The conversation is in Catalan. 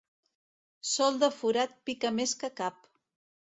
Sol de forat pica més que cap.